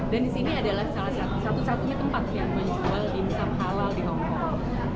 dan di sini adalah salah satu satu satunya tempat yang menjual dimsum halal di hongkong